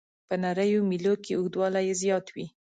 په نریو میلو کې اوږدوالی یې زیات وي.